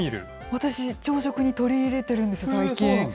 私、朝食に取り入れてるんです、最近。